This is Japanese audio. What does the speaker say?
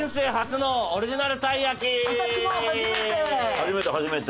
初めて初めて。